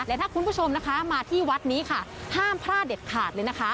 และถ้าคุณผู้ชมนะคะมาที่วัดนี้ค่ะห้ามพลาดเด็ดขาดเลยนะคะ